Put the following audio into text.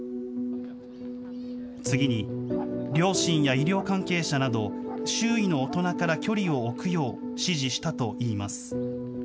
次に、両親や医療関係者など、周囲の大人から距離を置くよう、指示したといいます。